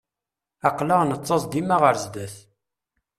Aql-aɣ nettaẓ dima ɣer zdat.